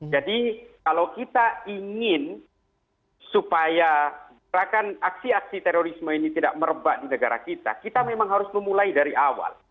jadi kalau kita ingin supaya aksi aksi terorisme ini tidak merebak di negara kita kita memang harus memulai dari awal